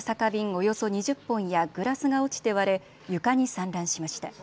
およそ２０本やグラスが落ちて割れ床に散乱しました。